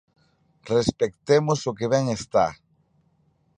Respectemos o que ben está.